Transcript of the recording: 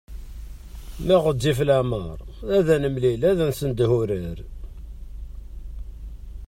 Ma ɣezzif leɛmeṛ ad nemlil ad nessendeh urar.